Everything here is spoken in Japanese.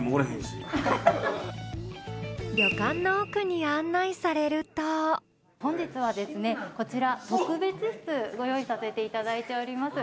旅館の奥に案内されると本日はですねこちら特別室ご用意させていただいております。